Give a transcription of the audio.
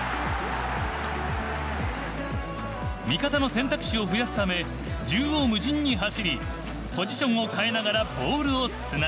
味方の選択肢を増やすため縦横無尽に走りポジションを変えながらボールをつなぐ。